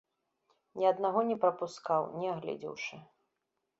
Ні аднаго не прапускаў, не агледзеўшы.